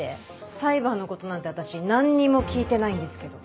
裁判の事なんて私なんにも聞いてないんですけど。